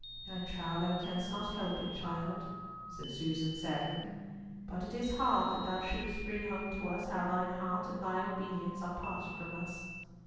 "I trow thou canst not help it, child," said Susan, sadly; "but it is hard that thou shouldst bring home to us how thine heart and thine obedience are parted from us."